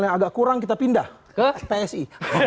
yang agak kurang kita pindah ke psi